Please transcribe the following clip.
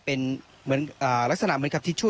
เป็นลักษณะเหมือนแบบทิชชู